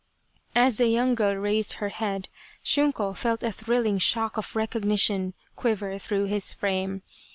As the young girl raised her head, Shunko felt a thrilling shock of recognition quiver through his frame.